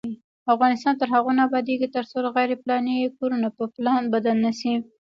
افغانستان تر هغو نه ابادیږي، ترڅو غیر پلاني کورونه په پلان بدل نشي.